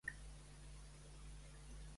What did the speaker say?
A qui va invitar Pirítou al seu casament?